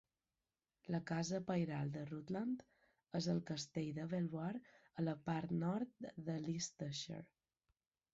La casa pairal de Rutland és el castell de Belvoir a la part nord de Leicestershire.